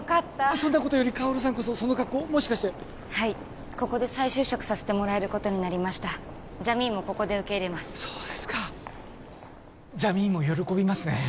そんなことより薫さんこそその格好もしかしてはいここで再就職させてもらえることになりましたジャミーンもここで受け入れますそうですかジャミーンも喜びますね